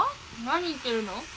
何言ってるの？